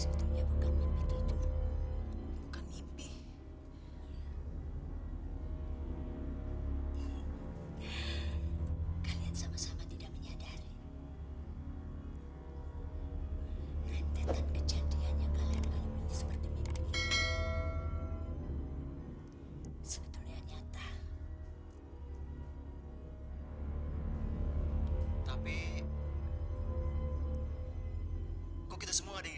sehingga ingatan kalian hilang pada para murah situ